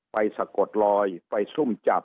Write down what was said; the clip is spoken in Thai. สะกดลอยไปซุ่มจับ